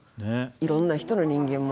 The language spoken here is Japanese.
いろんな人の人間模様